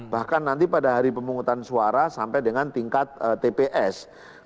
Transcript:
bahkan nanti pada hari pemungutan suara sampai dengan tingkat tps